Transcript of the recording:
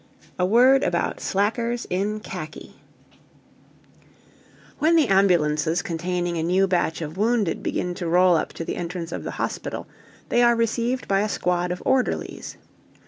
X A WORD ABOUT "SLACKERS IN KHAKI" When the ambulances containing a new batch of wounded begin to roll up to the entrance of the hospital they are received by a squad of orderlies.